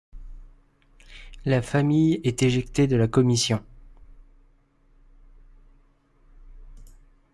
La famille est éjectée de la Commission.